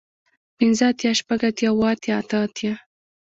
پنځۀ اتيا شپږ اتيا اووه اتيا اتۀ اتيا